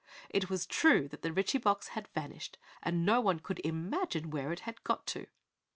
It was true that the Ritchie box had vanished and no one could imagine where it had gone to.